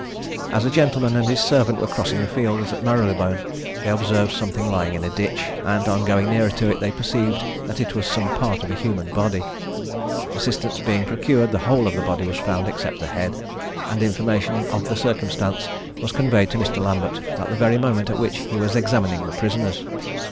As a gentleman and his servant were crossing the fields at Marylebone, they observed something lying in a ditch, and, on going nearer to it, they perceived that it was some parts of a human body. Assistance being procured, the whole of the body was found except the head; and information of the circumstance was conveyed to Mr. Lambert at the very moment at which he was examining the prisoners.